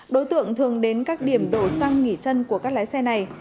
đối tượng thường đến các điểm đổ xăng nghỉ chân của các lái xe này